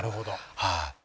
はい。